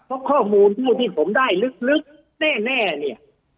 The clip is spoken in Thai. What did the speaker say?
เพราะข้อมูลผู้ที่ผมได้ลึกแน่เนี่ย